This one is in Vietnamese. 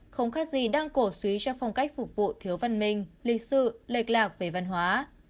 không khác gì đang cổ suý cho phong cách phục vụ thiếu văn minh lịch sự lệch lạc về văn hóa